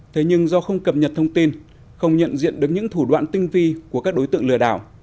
thế nhưng do không cập nhật thông tin không nhận diện được những thủ đoạn tinh vi của các đối tượng lừa đảo